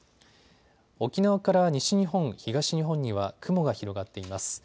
沖縄から西日本、東日本には雲が広がっています。